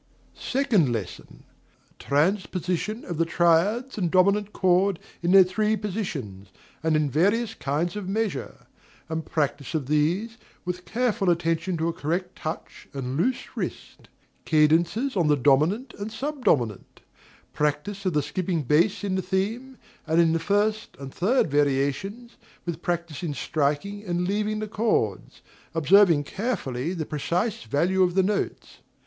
Second Lesson. Transposition of the triads and dominant chord in their three positions, and in various kinds of measure; and practice of these, with careful attention to a correct touch and loose wrist; cadences on the dominant and sub dominant; practice of the skipping bass in the theme, and in the first and third variations, with practice in striking and leaving the chords, observing carefully the precise value of the notes.